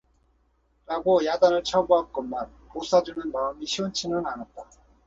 라고, 야단을 쳐보았건만, 못 사주는 마음이 시원치는 않았다.